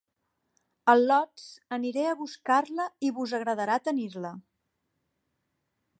Al·lots, aniré a buscar-la i vos agradarà tenir-la.